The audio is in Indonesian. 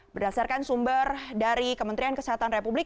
berdasarkan sumber dari kementerian kesehatan republik